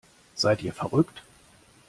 Seid ihr verrückt?